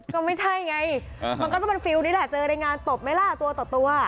ก็ไม่ใช่ไงมันก็ต้องเป็นฟิลล์นี่แหละเจอในงานตบไหมล่ะตัวต่อตัว